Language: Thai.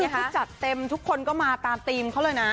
นี่คือที่จัดเต็มทุกคนก็มาตามธีมเขาเลยนะ